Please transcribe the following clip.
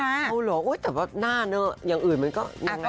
เอาเหรอแต่ว่าหน้าเนอะอย่างอื่นมันก็ยังไง